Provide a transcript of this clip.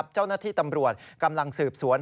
เจ้าหน้าที่ตำรวจกำลังสืบสวน